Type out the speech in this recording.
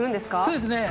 そうですね。